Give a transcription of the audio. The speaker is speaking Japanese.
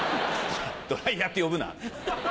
ドライヤーって呼ぶな。